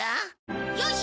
よし！